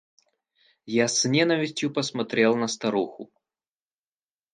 Я с ненавистью посмотрел на старуху.